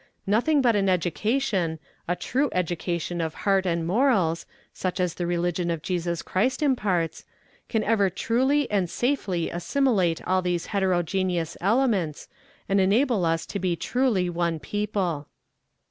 Nothing but an education, a true education of heart and morals, such as the religion of Jesus Christ imparts, can ever truly and safely assimilate all these heterogeneous elements, and enable us to be truly one people.